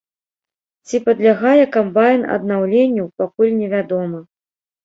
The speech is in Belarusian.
Ці падлягае камбайн аднаўленню, пакуль невядома.